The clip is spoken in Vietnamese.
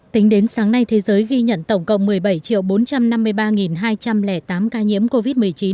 tính đến sáng nay thế giới ghi nhận tổng cộng một mươi bảy bốn trăm năm mươi ba hai trăm linh tám ca nhiễm covid một mươi chín